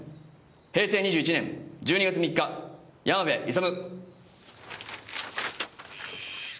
「平成２１年１２月３日山部勇」